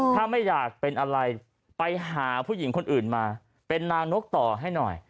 ถ้าไม่อยากเป็นอะไรไปหาผู้หญิงคนอื่นมาเป็นนางนกต่อให้หน่อย